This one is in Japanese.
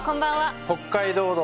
「北海道道」